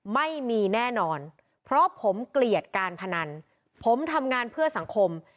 ไม่มีแน่นอนเพราะผมเกลียดการพนันผมทำงานเพื่อสังคม